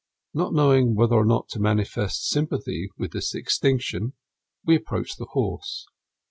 Not knowing whether or no to manifest sympathy with this extinction, we approached the horse.